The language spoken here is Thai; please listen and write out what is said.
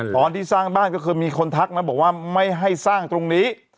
ตอนที่สร้างบ้านก็คือมีคนทักนะบอกว่าไม่ให้สร้างตรงนี้